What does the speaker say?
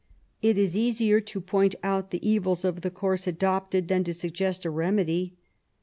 It is easier to point out the evils of the course adopted than to suggest a remedy.